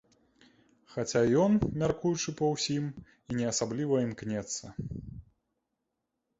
Хаця ён, мяркуючы па ўсім, і не асабліва імкнецца.